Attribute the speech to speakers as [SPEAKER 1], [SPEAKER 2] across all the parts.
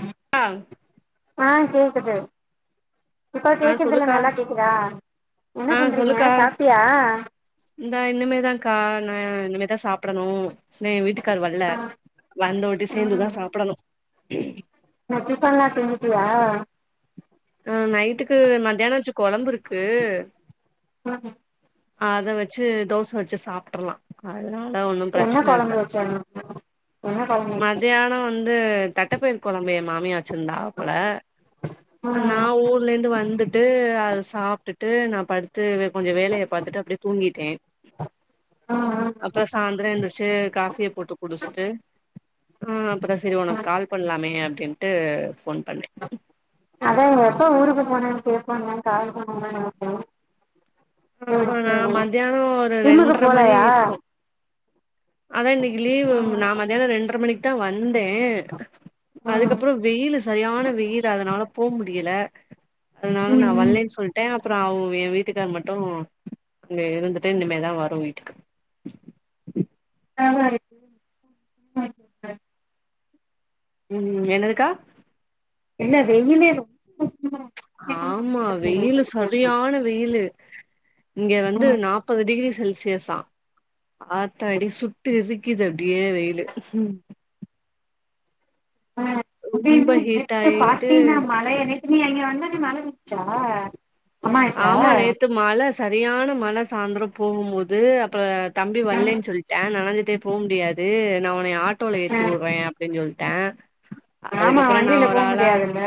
[SPEAKER 1] ம்
[SPEAKER 2] ஆ
[SPEAKER 1] ஆஹ கேக்குது இப்ப
[SPEAKER 2] ஆ
[SPEAKER 1] கேக்குறதுல
[SPEAKER 2] சொல்லுக்கா
[SPEAKER 1] நல்லா கேக்குதா என்ன
[SPEAKER 2] ஆ
[SPEAKER 1] பண்றீங்க
[SPEAKER 2] சொல்லுக்கா
[SPEAKER 1] சாப்பிடாயா
[SPEAKER 2] இந்தா இனிமேதான்கா நா இனிமேதா சாப்பிடணு இன்னு என் வீட்டுக்காரர் வரல வந்தவட்டி சேர்ந்துதா
[SPEAKER 1] ம்
[SPEAKER 2] சாப்பிடணு
[SPEAKER 1] நா டிபன் எல்லா செஞ்சிட்டியா
[SPEAKER 2] ஆஹ நைட்டுக்கு மத்தியாண வச்ச குழம்பு இருக்கு
[SPEAKER 1] ம் ம்
[SPEAKER 2] அத வச்சு தோச வச்சு சாப்படரலா அதனால ஒன்னு
[SPEAKER 1] என்ன
[SPEAKER 2] பிரச்சனை இல்ல
[SPEAKER 1] கொழம்பு வச்ச என்ன கொழம்பு வச்ச
[SPEAKER 2] மதியான வந்து வந்து தட்டப்பயிர் குழம்பு என்ஸ மாமியர் வச்சிருந்தாங்க அப்புல
[SPEAKER 1] [inaudible]
[SPEAKER 2] நா ஊர்ல இருந்து வந்துட்டு அத சாப்பிட்டுட்டு நா படுத்து கொஞ்சோ வேலயை பாத்தட்டு அப்டி தூங்கிட்டே
[SPEAKER 1] ம் ம்
[SPEAKER 2] அப்புறோ சாயந்திரம் எந்திரச்சு காபிய போட்டு குடிச்சுட்டு ஆஹ அப்பறதா சேரி உனக்கு
[SPEAKER 1] ம்
[SPEAKER 2] கால் பண்ணலாமே அப்டின்ட்டு போன் பண்ணே
[SPEAKER 1] அதா எப்போ ஊருக்கு போனே [unintelligible] போன
[SPEAKER 2] ஆமா நா மத்தியான ஒரு
[SPEAKER 1] ஜிம்முக்கு
[SPEAKER 2] ரெண்டரை மணி
[SPEAKER 1] போலயா
[SPEAKER 2] இருக்கு அதா இன்னைக்கு லீவ்
[SPEAKER 1] ம்
[SPEAKER 2] நா மத்தியான ரெண்டரை மணிக்கு வந்தே
[SPEAKER 1] ம்
[SPEAKER 2] அதுக்கப்புறோ க்னயவெயில் சரியான வெயில் அதனால போக முடியல அதனால நா
[SPEAKER 1] ம் ம்
[SPEAKER 2] வர்லேன்னு சொல்லிட்டே அப்புறோ அவன் என் வீட்டுக்கார மட்டு அப்றோ அங்க இருந்துட்டு இந்தமி தா வரும் வீட்டுக்கு
[SPEAKER 1] [inaudible]
[SPEAKER 2] ம் என்னதுக்கா
[SPEAKER 1] என்ன வெயிலே ரொம்ப [unintelligible]
[SPEAKER 2] ஆமா வெயில சட
[SPEAKER 1] இருக்குது
[SPEAKER 2] சரியான வெயில் இங்க வந்து
[SPEAKER 1] ம்
[SPEAKER 2] நாற்பது டிகிரி செல்சியஸா ஆத்தா அடி சுத்தி எரிக்குது அப்டியே வெயிலு ரொம்ப ஹீட் ஆயி
[SPEAKER 1] [unintelligible] நீ அங்க வந்தானே மழ வன்ச்சா
[SPEAKER 2] ஆமா நேத்து மழ சரியான மழ சாந்திரம் போம்போது அப்புறம் தம்பி வல்லன்னு சொல்ட்டான் நடந்துட்டே போக முடியாது து நான் உனைய ஆட்டோல எத்தி உடுற அப்படின்னு சொல்ட்ட
[SPEAKER 1] ஆமா
[SPEAKER 2] அதுக்கப்ரோ
[SPEAKER 1] வண்டியில
[SPEAKER 2] நான்
[SPEAKER 1] போ
[SPEAKER 2] ஒரு ஆளா
[SPEAKER 1] முடியாதுல்ல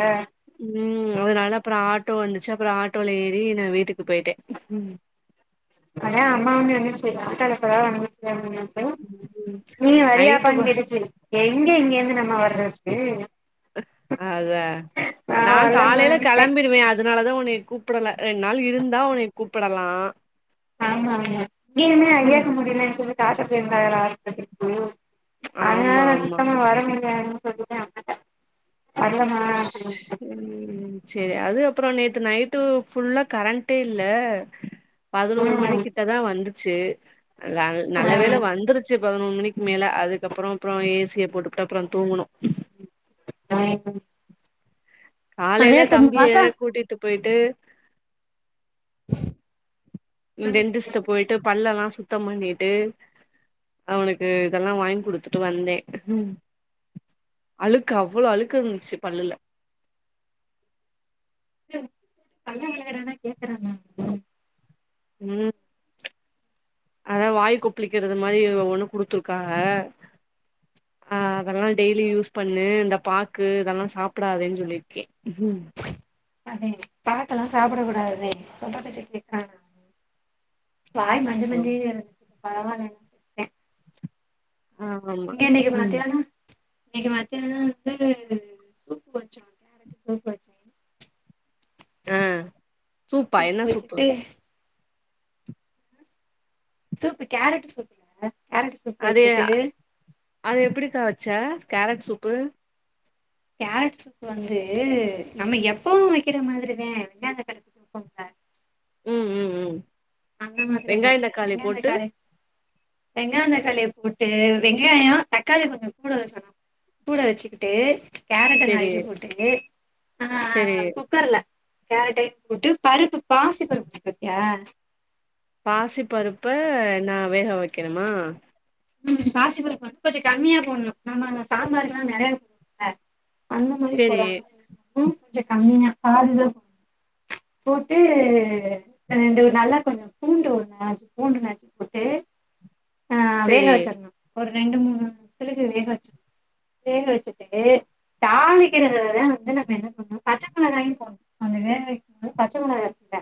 [SPEAKER 2] உம் அதனால அப்ரோ ஆட்டோ வந்துச்சு அப்புறம் ஆட்டோல ஏறி நான் வீட்டுக்கு போயிட்டேன்
[SPEAKER 1] அம்மாவ வந்துச்சு ஆட்டோ அப்பா வந்துச்சு
[SPEAKER 2] ம்
[SPEAKER 1] நீ
[SPEAKER 2] நைட்டு ப
[SPEAKER 1] வரியாப்பானு கேட்டுச்சு எங்க இங்க இருந்து நம்ம வர்றதுக்கு
[SPEAKER 2] அத
[SPEAKER 1] நா
[SPEAKER 2] நான்
[SPEAKER 1] வரலமா
[SPEAKER 2] காலையில
[SPEAKER 1] ன்ட்டே
[SPEAKER 2] கிளம்பிடுவேன் அ அதனாலதான் உனை கூப்பிடல ரெண்டு நாள் இருந்தா உனனை கூப்பிடலாம்
[SPEAKER 1] ஆமா மா ஏனமே அஐியாக்க முடியலன்ன சொல்லிட்டு ஆத்த பேய்ருந்த ஆ உம் அதனால
[SPEAKER 2] ஆமா
[SPEAKER 1] நான்
[SPEAKER 2] ஆமா
[SPEAKER 1] சுத்தமா வரமுடில சொல்லிட்டுதா உட்டுட்ட [unintelligible]
[SPEAKER 2] உம் சரி அது அப்புறம் நேத்து நைட்டு ஃபுல்லா கரண்டே இல்ல பதினோரு மணி
[SPEAKER 1] ம்
[SPEAKER 2] கிட்ட தான் வந்துச்சு ரா நல்லவேல வந்துருச்ச சி பதினொன்னு மணிக்கு மேல அதுக்கப்புறம் அப்புறம் ஏசிய போட்டுபுட்டு அப்புறம் தூங்கணும்
[SPEAKER 1] [inaudible] அதே
[SPEAKER 2] காலையில
[SPEAKER 1] இப்ப இந்த
[SPEAKER 2] தம்பிய
[SPEAKER 1] மாசோ
[SPEAKER 2] கூட்டிட்டு போயிட்டு
[SPEAKER 1] ஹ
[SPEAKER 2] ரெண்ட்டிச்ட போயிட்டு பல் எல்லாம் சுத்தம் பண்ணிட்டு அவனுக்கு இதெல்லாம் வாங்கி குடுத்துட்டு வந்தேன் அழுக்கு அவ்வளோ அழுக்கு இந்துச்சு பல்லுல
[SPEAKER 1] ம் பங்கரனா
[SPEAKER 2] உம் அத வாய் கொப்பளிக்கிறது மாரி ஒண்ணு ஒண்ணு குடுத்துருக்காங்க ஆ அதெல்லாம் டெய்லி யூஸ் பண்ணு இந்த பாக்கு இதெல்லாம் சாப்பிடதுேன்னு சொல்லியிருக்கேன்
[SPEAKER 1] அதே பாக்கலாம் சாப்பிட கூடாது சொல்ற பேச்சு கேக்குறான வாய் மஞ்ச
[SPEAKER 2] ஆ
[SPEAKER 1] மஞ்சேனுயிருக்கு பரவலா
[SPEAKER 2] ஆமா
[SPEAKER 1] இன்னைக்கு
[SPEAKER 2] ம்
[SPEAKER 1] மத்யானம் இன்னைக்கு மத்தியானம் வந்து சூப்பு வச்ச கேரட்ட சூப்பு வச்சங்க
[SPEAKER 2] ஆ சூப்பா என்ன சூப்பு
[SPEAKER 1] சூப்பு கேரட் சூப்புல்ல கேரட் சூப்பு
[SPEAKER 2] அது
[SPEAKER 1] வச்சுட்டு
[SPEAKER 2] அது எப்டிகா வச்ச கேரட் சூப்பு
[SPEAKER 1] கேரட் சூப்பு வந்து நம்ம எப்பவும் வைக்கிற மாரித வெண்டாந்த பருப்பு தூப்போங்கள
[SPEAKER 2] ம் ம் ம்
[SPEAKER 1] அந்த மாதிரிதே
[SPEAKER 2] வெங்காயம் தக்காளி போட்டு
[SPEAKER 1] வெங்காயம் தக்காளியை போட்டு வெங்காயம் தக்காளி கொஞ்சம் கூடு வெக்கனும் கூட வச்சுக்கிட்டு கேரட்ட
[SPEAKER 2] செரி
[SPEAKER 1] நறுக்கி போட்டு
[SPEAKER 2] செரி
[SPEAKER 1] ஆஹ் குக்கர்ல கேரட்டை போட்டு பருப்பு பாசி பருப்பு இருக்குல
[SPEAKER 2] பாசி பருப்ப நான் வேக வைக்கணுமா
[SPEAKER 1] உம் பாசிப்பருப்ப வந்து கொஞ்சோ கம்மியா போடணும் நம்ம சாம்பார் எல்லாம் நறையா போடுவோல அந்த மாரி
[SPEAKER 2] செரி
[SPEAKER 1] போடாம ம் கொஞ்சோ கம்மியா பாதிதா போட்டு ரெண்டு நல்லா கொஞ்சோ பூண்டு ஒண்ணு நாலஞ்சு பூண்டு நஸுக்சி போட்டு ஆ வேக
[SPEAKER 2] செரி
[SPEAKER 1] வச்சிடணும் ஒரு ரெண்டு மூணு சிலக்கு வேக வெச்சு வேக வெச்சுட்டு தாளிக்கிறததா வந்து நம்ம என்ன பண்ணு பச்ச மிளகாயு போணு அதுவே பச்ச மொளகா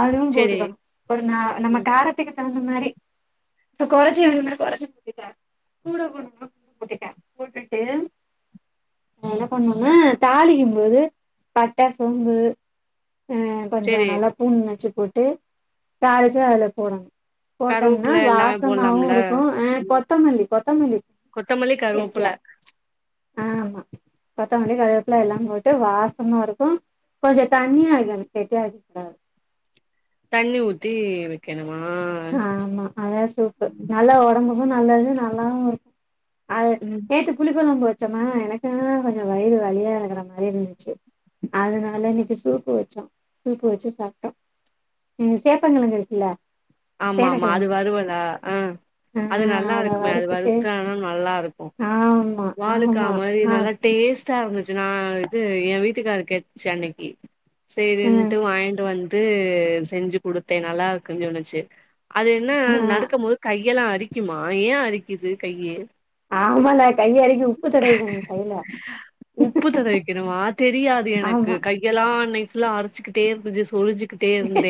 [SPEAKER 1] அதுவு
[SPEAKER 2] செரி
[SPEAKER 1] போட்டுக்கணு ஒரு நா நம்ம
[SPEAKER 2] ம்
[SPEAKER 1] காரத்துக்கு தகுந்த மாரி இப்ப கொறச்சி வேனுனா கொறச்சு போட்டுக்க கூட கூட போட்டுக்க போட்டுட்டு என்ன பண்ணுனா தாளிக்கும்போது பட்ட சோம்பு ம் கொஞ்சோ
[SPEAKER 2] செரி
[SPEAKER 1] நல்லா பூண்டு நச்சு போட்டு தாளிச்சு அதுல போடனு போட்டோம்னா
[SPEAKER 2] கருவேப்புல எல்லாமே
[SPEAKER 1] வாசமாவு
[SPEAKER 2] போட்லாம்ல
[SPEAKER 1] இருக்கு அ
[SPEAKER 2] ம்
[SPEAKER 1] கொத்தமல்லி கொத்தமல்லி
[SPEAKER 2] கொத்தமல்லி கருவப்புல
[SPEAKER 1] ஆ ஆமா கொத்தமல்லி கருவேப்பில எல்லா போட்டு வாசமா இருக்கு கொஞ்சோ தண்ணியா வாய்க்கனோ கேட்டியா வைக்க கூடாது
[SPEAKER 2] தண்ணி ஊத்தி வெக்கணுமா
[SPEAKER 1] ஆமா அத்தா சூப்பு நல்லா ஒடம்புக்கு நல்லது நல்லாவு இருக் அது
[SPEAKER 2] ம்
[SPEAKER 1] நேத்து புளிக்கொழம்பு வச்சோமா எனக்கு கொஞ்சோ வயிறு வலியா இருக்குற மாரி இருந்துச்சு அதனால இன்னிக்கு சூப்பு வெச்சோ சூப்பு வெச்சு சாப்ட்டோ ம் சேப்பங்கெளங்கு இருக்குல
[SPEAKER 2] ஆமா ஆமா அது வருவலா ஆ
[SPEAKER 1] ஆ
[SPEAKER 2] அது நல்லா
[SPEAKER 1] அத
[SPEAKER 2] இருக்குமே அது
[SPEAKER 1] வறுத்துட்டு
[SPEAKER 2] வறுத்தனா நல்லா இருக்கு
[SPEAKER 1] ஆமா
[SPEAKER 2] வாலக்கா
[SPEAKER 1] ஆமா
[SPEAKER 2] மாரி
[SPEAKER 1] ஆ
[SPEAKER 2] நல்லா டேஸ்ட்டா இருந்துச்சு நா இது எ வீட்டுக்காரு கேட்ச்சு அன்னிக்கி
[SPEAKER 1] ம்
[SPEAKER 2] சேரினுட்டு வாய்ங்ண்டு வந்து செஞ்சு குடுத்தே நல்லா இருக்குனு ஜோன்னுச்சு அது என்ன
[SPEAKER 1] ஆ
[SPEAKER 2] நருக்கும்போது கையெல்லா அரிக்குமா ஏ அரிக்குது கையி
[SPEAKER 1] ஆமால கையி அரிக்கும்
[SPEAKER 2] உப்பு தடவிக்கணுமா தெரியாது எனக்கு
[SPEAKER 1] ஆமா
[SPEAKER 2] கை கையெல்லா அன்னிக்கு ஃபுல்லா அரிச்சுக்குட்டே இருந்துச்சு சொருஞ்சி ட்டே இருந்த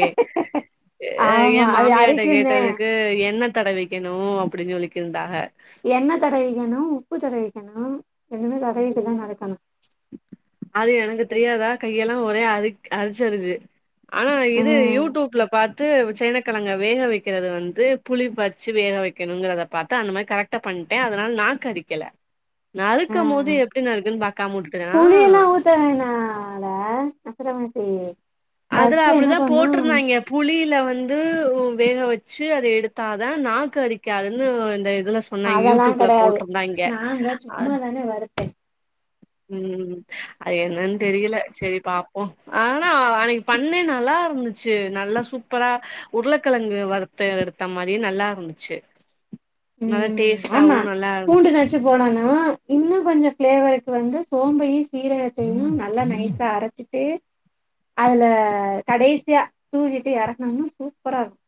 [SPEAKER 2] ஏ
[SPEAKER 1] ஆமா அது
[SPEAKER 2] மாமியாட்ட
[SPEAKER 1] அரிக்குந்தே
[SPEAKER 2] கேட்டதுக்கு என்ன தடவி கிணு அப்டின் சொல்லிக்கிருந்தாக
[SPEAKER 1] எண்ண தடவிக்கணு உப்பு தடவிக்கணு ரெண்டுமே தடவிக்குட்டுதா நடக்கணு
[SPEAKER 2] அது எனக்கு தெரியாதா கையெல்லா ஒரே அரி அரிச்சரிச்சு ஆனா
[SPEAKER 1] ஆ
[SPEAKER 2] இது யூட்டூப்ல பாத் து சேனக்கழங்க வேக வெக்கிறது வத்து புளி வெச்சு வேக வெக்கணுங்கறத பாத்த அந்த மாரி கரெக் டா பண்ட்ட அதனால நாக்கரிக்கல நா
[SPEAKER 1] ஆ
[SPEAKER 2] க்கமோது எப்டி நருக்கனுன் பாக்காம உட்டுட்டனா
[SPEAKER 1] அதனால அத்தரமின்சே
[SPEAKER 2] அதுல அப்படிதா போட்ருந்தாய்ங்க புளில வந்து வேக வெச்சு அத எடுத்தாதா நாக்கு அரிக்காதுன்னு இந்த இதுல சொன்னாங்
[SPEAKER 1] அதெல்லா
[SPEAKER 2] யூட்டூப்ல போட்ருந்தாய்ங்க
[SPEAKER 1] அ வரப்பே
[SPEAKER 2] ம் அது என்னன் தெரியில செரி பாப்போ ஆனா அனிக் பண்ண நல்லா இருந்துச்சு நல்லா சூப்பரா உருளக்கழங்கு வருத்த எடுத் த்த மாரி நல்லா இருந்துச்சு நல்லா
[SPEAKER 1] ம் ஆமா
[SPEAKER 2] டேஸ்ட்டாவு நல்லா
[SPEAKER 1] பூண்டு
[SPEAKER 2] இருந்துச்சு
[SPEAKER 1] நச்சு போடனு இன்னு கொஞ்சோ ஃபிளேவருக்கு வந்து சோம்பையு சீரகத்தையு நல்லா நைசா அரச்சு ட்டு அதுல கடைசியா தூவிட்டு எறக்கனுனா சூப்பரா இருக்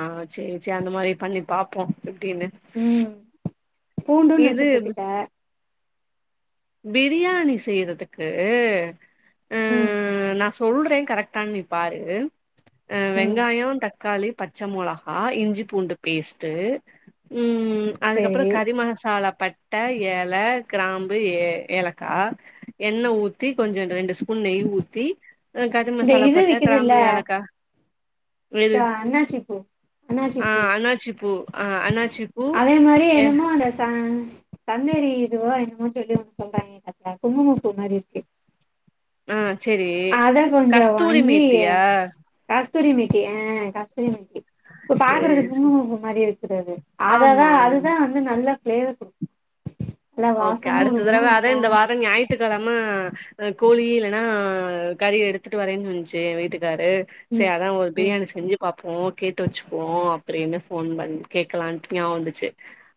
[SPEAKER 2] ஆ சே சே அந்த மாரி பண்ணி பாப்போ எப்டின்னு
[SPEAKER 1] ம் பூண்டு நச்சு
[SPEAKER 2] இது
[SPEAKER 1] போட்டுட்டே
[SPEAKER 2] பிரியாணி செய்யறதுக்கு அ
[SPEAKER 1] ம்
[SPEAKER 2] நா சொல்றே கரெக்டா நீ பாரு அ
[SPEAKER 1] ம்
[SPEAKER 2] வெங்காயோ, தக்காளி, பச் பச்ச மொளகா, இஞ்சி பூண்டு, பேஸ்ட்டு ம் அதுக்கப்றோ
[SPEAKER 1] சேரி
[SPEAKER 2] கறி மசாலா, பட்ட, எல, கிராம் பு ஏலக்கா எண்ணெ ஊத்தி கொஞ்சோ ரெண்டு ஸ்பூன் நெய் ஊத்தி கறிம்
[SPEAKER 1] இந்த
[SPEAKER 2] மசாலா
[SPEAKER 1] இது
[SPEAKER 2] பட்ட, கிராம்பு, எலக்கா
[SPEAKER 1] அக்கா அன்னாச்சிப்பூ
[SPEAKER 2] ஆ
[SPEAKER 1] அன்னாச்சிப்பூ
[SPEAKER 2] அண்ணாச்சி பூ ஆ அண்ணாச்சி பூ
[SPEAKER 1] அதே மாரி
[SPEAKER 2] ஏ
[SPEAKER 1] என்னமோ அந்த ச தன்னேறி இதுவோ என்னமோ சொல்லுவாங்க ஒன்னு சொல்றாங்க அக்கா குங்குமப்பூ மாரி இருக்கு
[SPEAKER 2] ஆ சேரி
[SPEAKER 1] அத கொஞ்சோ
[SPEAKER 2] கஸ்தூரி
[SPEAKER 1] வாங்கி
[SPEAKER 2] மேத்தியா
[SPEAKER 1] கஸ்தூரி மேத்தி ஆ கஸ்தூரி மேத்தி இப்ப
[SPEAKER 2] சேரி
[SPEAKER 1] பாக்குறதுக்கு
[SPEAKER 2] சேரி
[SPEAKER 1] குங்கும்பூ மாரியே இருக்கிறது அததா
[SPEAKER 2] ஆமா ஆமா
[SPEAKER 1] அதுதா வந்து நல்லா ஃப்ளவர் குடுக்கு நல்லா
[SPEAKER 2] ஓகே
[SPEAKER 1] வாசமு
[SPEAKER 2] அடுத்த
[SPEAKER 1] இருக்குமா
[SPEAKER 2] தடவ அதே
[SPEAKER 1] நல்லா
[SPEAKER 2] இந்த வாரோ ஞாயி த்துகெழம கோழி இல்லன்னா கறி எடுத்துட்டு வரேன் சொல்சி எயா வீட்டுக்காரு சேரி
[SPEAKER 1] ம்
[SPEAKER 2] அதா ஒரு
[SPEAKER 1] ம்
[SPEAKER 2] பிரியாணி செஞ்சி பாப்போ கேட்டு வெச்சிப்போ அப்டின்னு ஃபோன் பண் கேக்கலான்ட்டு ஞாபோ வந்துச்சி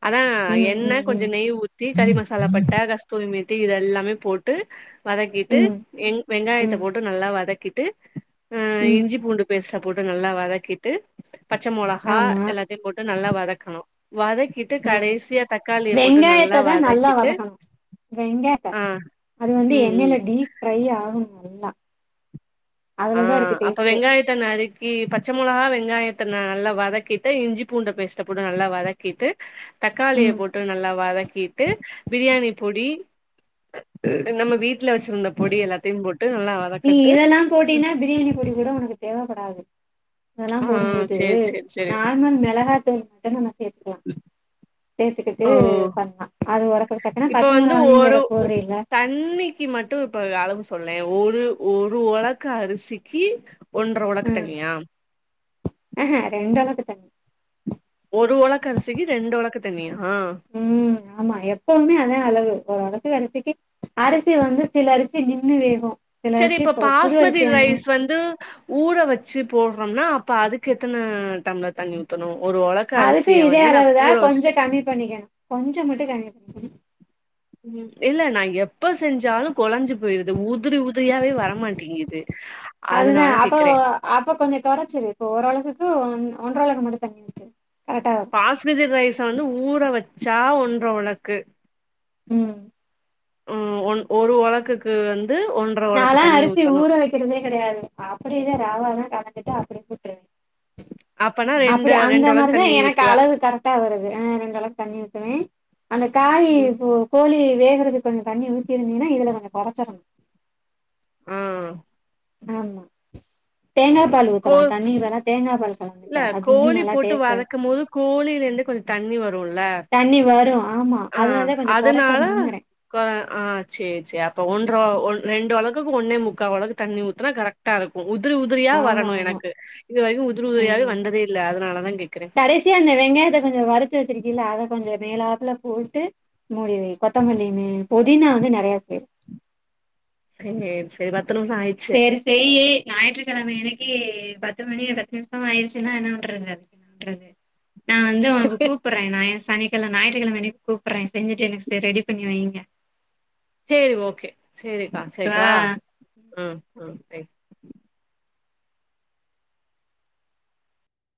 [SPEAKER 2] அதா
[SPEAKER 1] ம்
[SPEAKER 2] எண்ண
[SPEAKER 1] ம்
[SPEAKER 2] கொஞ்சோ
[SPEAKER 1] ம்
[SPEAKER 2] நெய் ஊத் த்தி கறி மசாலா பட்ட, கஸ்தூரி மேத்தி இதெல்லாமே போட்டு வதக்கிட்டு
[SPEAKER 1] ம்
[SPEAKER 2] எங் வெங்காயத்த
[SPEAKER 1] ம்
[SPEAKER 2] போட்டு நல்லா வதக்கிட்டு அ
[SPEAKER 1] ம்
[SPEAKER 2] இஞ்சி பூண்டு பேஸ்ட்ட போட்டு நல்லா வதக்கிட்டு பச்ச மொளகா
[SPEAKER 1] ஆமா
[SPEAKER 2] எல்லா த்தையு போட்டு நல்லா வதக்கணு வதக்கிட்டு கடைசியா தக்காளிய போட்டு நல்லா
[SPEAKER 1] இத்தா நல்லா
[SPEAKER 2] வதக்கிட்டு
[SPEAKER 1] வதக்கணு வெங்காயத்த
[SPEAKER 2] ஆ
[SPEAKER 1] அது வந்து
[SPEAKER 2] ம் ம்
[SPEAKER 1] எண்ணெயில டீப் ஃப்ரை ஆகனு நல்லா
[SPEAKER 2] ஆ
[SPEAKER 1] அதுலதா இருக்கு
[SPEAKER 2] அப்போ
[SPEAKER 1] டேஸ்ட்டே
[SPEAKER 2] வெங்காயத் த நறுக்கி பச்ச மொளகா வெங்காயத்த நல்லா வதக்கிட்டு இஞ்சி பூண்டு பேஸ்ட பொட்டு நல்லா வதக் க்கிட்டு தக்காளிய
[SPEAKER 1] ம்
[SPEAKER 2] போட்டு நல்லா வதக்கிட்டு பிரியாணி பொடி நம்ம வீட்ல வெச்சிருந்த பொடி எல்லாத்தையு போட்டு நல்லா
[SPEAKER 1] நீ
[SPEAKER 2] வதக்கட்டு
[SPEAKER 1] இதெல்லா போட்டீன்னா பிரியாணி பொடி கூட உனக்கு தேவப்படாது அதெல்லா
[SPEAKER 2] ஆ
[SPEAKER 1] போடும்போது
[SPEAKER 2] சேரி சேரி சேரி
[SPEAKER 1] நா ஆனா மொளகாத்தூள் மட்டு நம்ம சேத்துக்கலா சேத்துக்கிட்டு
[SPEAKER 2] ஓ
[SPEAKER 1] பண்ணலா அது ஒரப்புக்கு தக்கன பச்ச மொளாகாயு வேற போட்றிங்க
[SPEAKER 2] தண்ணி ணிக்கு மட்டு இப்ப அளவு சொல்லே ஒரு ஒரு ஒலக்கு அரிசிக்கு ஒன்ற ஒலக்கு தண்ணியா
[SPEAKER 1] ஆ ஹா ரெண்டு ஒழக்கு தண்ணி
[SPEAKER 2] ஒரு ஒலக்கு அரிசிக்கு ரெண்டு ஒலக்கு தண்ணியா
[SPEAKER 1] ம் ஆமா எப்வுமே அதா அளவு ஓரு ஒழக்கு அரிசிக்கு அரிசி வந்து சில அரிசி நின்னு வேகு சில
[SPEAKER 2] சேரி
[SPEAKER 1] அரிசி
[SPEAKER 2] இப்ப
[SPEAKER 1] இப்போ புது
[SPEAKER 2] பாஸ்மதி
[SPEAKER 1] அரிசியாங்க
[SPEAKER 2] ரைஸ் வந்து ஊற வெச்சி போட்றோம்னா அப்ப அதுக்கு எத்தன டம்ளர் தண்ணி ஊத்தணு ஒரு ஒலக்
[SPEAKER 1] அதுக்கு இதே அளவு தா கொஞ்சோ கம்மி பண்ணிக்கணு கொஞ்சோ மட்டு கம்மி பண்ணிக்கணு
[SPEAKER 2] இல்ல நா எப்ப செஞ்சாலு கொழஞ்சி போயிருது உதிரி உ உதிரியாவே வரமாட்டேங்குது
[SPEAKER 1] அதுதா
[SPEAKER 2] அதனால
[SPEAKER 1] அப்போ
[SPEAKER 2] கேக்குறே
[SPEAKER 1] அப்ப கொஞ்சோ கொறச்சுரு இப்ப ஓழக்குக்கு ஒன்ற ஒழக்கு மட்டு தண்ணி ஊத்து கரெக்டா வரு
[SPEAKER 2] பாஸ்மதி ரைஸ வந்து ஊற வச்சா ஒன்ற உலக்கு
[SPEAKER 1] ம்
[SPEAKER 2] ம் ஒரு உலக்குக்கு வந்து ஒன்
[SPEAKER 1] நாலா அரிசிய ஊற வைக்கிறதே கெடையாது அப்டிதா ராவாதா கலந்துட்டு அப்டியே பொட்டுருவே
[SPEAKER 2] அப்ப
[SPEAKER 1] அப்டி அந்த மாரிதா எனக்கு அளவு கரெக்டா வருது ஆ அந்த அளவுக்கு தண்ணி ஊத்துவே அந்த காய்யி கோ கோழி வேகறதுக்கு கொஞ்ச தண்ணி ஊத்திருந்தீங்கனா இதுல கொஞ்ச கொறச்சிறணு
[SPEAKER 2] ம்
[SPEAKER 1] ஆமா தேங்கா பால்
[SPEAKER 2] கோ
[SPEAKER 1] ஊத்தலா தண்ணி வேணா தேங்கா பால்
[SPEAKER 2] இல்ல
[SPEAKER 1] கலந்துக்க அது இன்னு
[SPEAKER 2] கோழி
[SPEAKER 1] நல்லா
[SPEAKER 2] போட்டு
[SPEAKER 1] டேஸ்டா
[SPEAKER 2] வதக்கும் போது கோழில இருந்து கொஞ்ச தண்ணி வரும்ல
[SPEAKER 1] தண்ணி வரு ஆமா அதனாலதா கொஞ்ச
[SPEAKER 2] அதனால
[SPEAKER 1] கொறச்சர்ணுங்கிற
[SPEAKER 2] ஆ செரி செரி அப்ப ஒன்ற ரெண்டு உலக்குக்கு ஒன்னே முக்கால் உலக்கு தண்ணி ஊத்துனா கரெக்ட் டா இருக்கு உதிரி உதிரியா
[SPEAKER 1] ஆமா
[SPEAKER 2] வரணு
[SPEAKER 1] ஆமா
[SPEAKER 2] எனக்கு இது வரைக்கு உதுரு உதிரியாவே
[SPEAKER 1] ம்
[SPEAKER 2] வந்ததே இல்ல அதனால தா கேட்கற
[SPEAKER 1] கடைசியா அந்த வெங்காயத்த கொஞ்ச வறுத்து வச்சிருக்கீள அத கொஞ்ச மேலாப்ல போட்டு மூடி வை கொத்தமல்லி பொதினா வந்து நறைய சேர்
[SPEAKER 2] சேர் சேர் பத்து நிம்ஷோ ஆயி
[SPEAKER 1] செரி செய்யி ஞாயிற்றுக்கிழம அன்னைக்கி பத்து மணி பத்து நிம்ஷோ ஆயிடுச்சுன்னா என்னா பண்றது பண்றது நா வந்து உனக்கு கூப்புர்ற நா சனிக்கிழ ஞயிற்றுக்கிழம அன்னிக் கூப்பர்ற செஞ்சுட்டு எனக் ரெடி பண்ணி வைங்க
[SPEAKER 2] சேரி ஓகே செரிக்கா செரி
[SPEAKER 1] வா
[SPEAKER 2] வைக்கவா ம் ம் வை